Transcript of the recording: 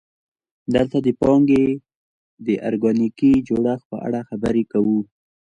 دلته د پانګې د ارګانیکي جوړښت په اړه خبرې کوو